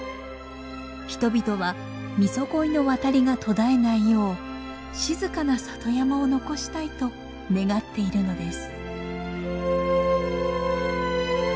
人々はミゾゴイの渡りが途絶えないよう静かな里山を残したいと願っているのです。